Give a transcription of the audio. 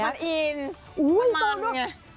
มันอินมันมันไง